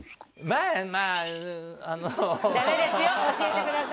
まあまああのダメですよ教えてください